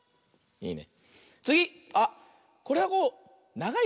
いいね。